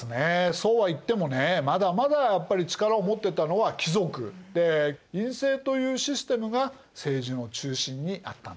そうは言ってもねまだまだやっぱり力を持ってたのは貴族で院政というシステムが政治の中心にあったんです。